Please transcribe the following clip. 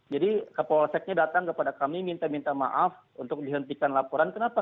jadi ke polseknya datang kepada kami minta minta maaf untuk dihentikan laporan kenapa